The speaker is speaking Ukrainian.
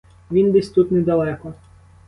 Він десь тут недалеко.